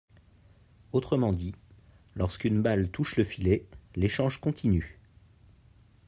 Autrement dit, lorsqu'une balle touche le filet, l'échange continue.